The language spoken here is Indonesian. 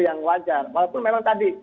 yang wajar walaupun memang tadi